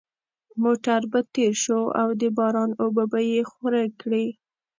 موټر به تېر شو او د باران اوبه به یې خورې کړې